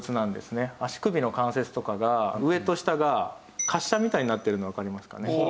足首の関節とかが上と下が滑車みたいになってるのわかりますかね？